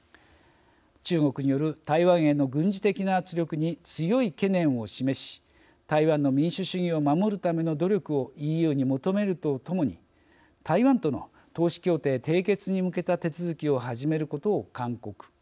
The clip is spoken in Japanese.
中国による台湾への軍事的な圧力に強い懸念を示し台湾の民主主義を守るための努力をＥＵに求めるとともに台湾との投資協定締結に向けた手続きを始めることを勧告。